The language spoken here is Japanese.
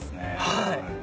はい！